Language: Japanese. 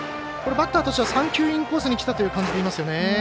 バッターとしては３球インコースにきたという感じですよね。